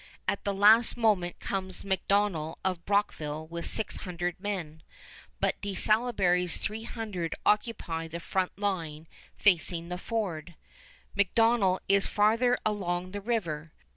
At the last moment comes McDonnell of Brockville with six hundred men, but De Salaberry's three hundred occupy the front line facing the ford. McDonnell is farther along the river.